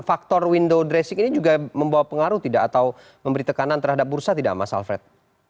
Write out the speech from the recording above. faktor window dressing ini juga membawa pengaruh tidak atau memberi tekanan terhadap bursa tidak mas alfred